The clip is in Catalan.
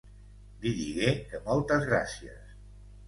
Li digué que moltes gràcies.